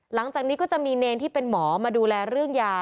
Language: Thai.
หลังจากนี้ก็จะมีเนรที่เป็นหมอมาดูแลเรื่องยา